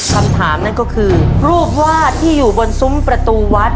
นั่นก็คือรูปวาดที่อยู่บนซุ้มประตูวัด